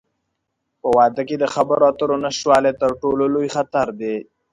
په واده کې د خبرو اترو نشتوالی، تر ټولو لوی خطر دی.